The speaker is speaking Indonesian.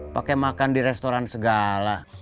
pakai makan di restoran segala